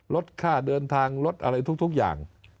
ลดค่าเดินทางลดอะไรทุกอย่าง